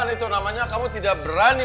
itu namanya kamu tidak berani